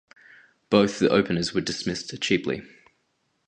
Both the openers were dismissed cheaply.